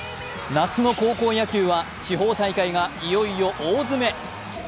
夏の高校野球は地方大会がいよいよ大詰め。